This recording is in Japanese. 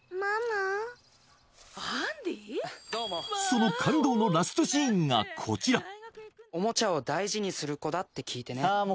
その感動のラストシーンがこちらおもちゃを大事にする子だって聞いてね